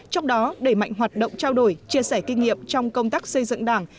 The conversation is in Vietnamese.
trong đó đẩy mạnh hoạt động trao đổi chia sẻ kinh nghiệm trong công tác xây dựng đảng